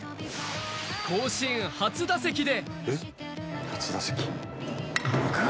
甲子園初打席で。